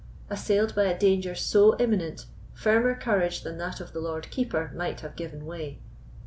Assailed by a danger so imminent, firmer courage than that of the Lord Keeper might have given way.